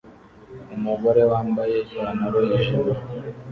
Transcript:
Umugore wambaye ipantaro yijimye